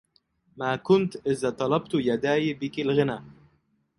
ما كنت إذ طلبت يداي بك الغنى